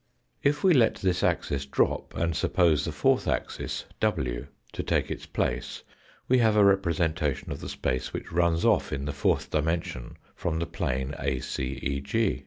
If we let this axis drop and suppose the fourth axis, w, to take its place, we have a representation of the space which runs off in the fourth dimension from the plane ACEG.